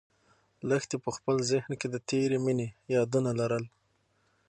لښتې په خپل ذهن کې د تېرې مېنې یادونه لرل.